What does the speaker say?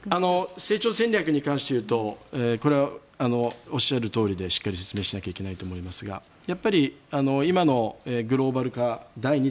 成長戦略の点でいうとこれはおっしゃるとおりでしっかり実現しないといけないと思いますがやっぱり今のグローバル化第２弾。